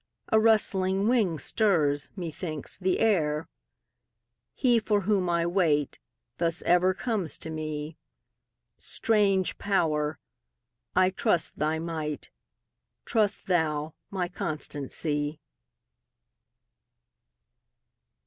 a rustling wing stirs, methinks, the air: He for whom I wait, thus ever comes to me; Strange Power! I trust thy might; trust thou my constancy.